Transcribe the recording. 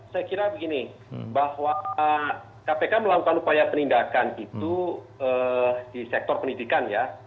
saya kira begini bahwa kpk melakukan upaya penindakan itu di sektor pendidikan ya